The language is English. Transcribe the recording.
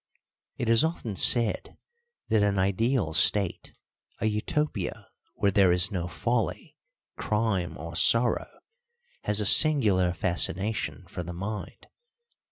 It is often said that an ideal state a Utopia where there is no folly, crime, or sorrow has a singular fascination for the mind.